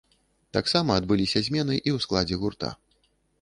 Таксама адбыліся змены і ў складзе гурта.